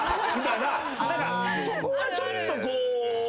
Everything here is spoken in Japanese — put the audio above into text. そこはちょっとこう。